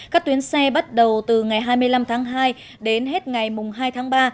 các tuyến xe bắt đầu từ ngày hai mươi năm tháng hai đến hết ngày hai tháng ba